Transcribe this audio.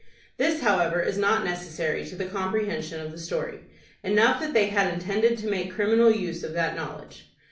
This, however, is not necessary to the comprehension of the story. Enough that they had intended to make criminal use of that knowledge.